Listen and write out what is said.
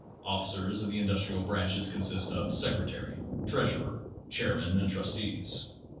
Officers of the Industrial Branches consist of secretary, treas urer, chairman and trustees.